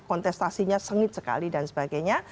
kontestasinya sengit sekali dan sebagainya